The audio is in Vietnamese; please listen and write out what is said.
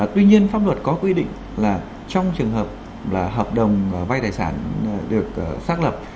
tuy nhiên pháp luật có quy định là trong trường hợp hợp đồng vai tài sản được xác lập